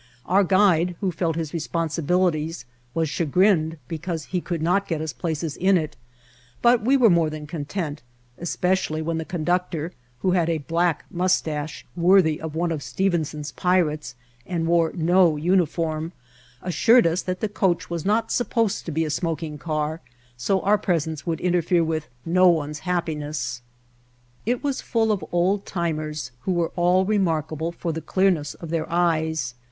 Our guide, who felt his responsibilities, was chagrined because he could not get us places in it; but we were more than content, especially when the conduc tor, who had a black mustache worthy of one of Stevenson's pirates and wore no uniform, assured us that the coach was not supposed to be a smok ing car so our presence would interfere with no one's happiness. It was full of old timers who were all remarkable for the clearness of their eyes.